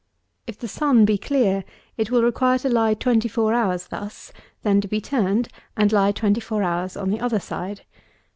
If the sun be clear, it will require to lie twenty four hours thus, then to be turned, and lie twenty four hours on the other side.